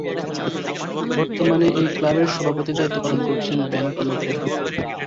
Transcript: বর্তমানে এই ক্লাবের সভাপতির দায়িত্ব পালন করছেন বেন কনুপে।